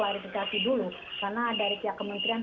klarifikasi dulu karena dari pihak kementerian